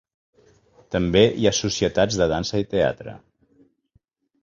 També hi ha societats de dansa i teatre.